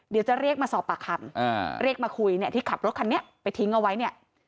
เดี๋ยวจะเรียกมาสอบปากคำเรียกมาคุยเนี่ยที่ขับรถคันนี้ไปทิ้งเอาไว้เนี่ย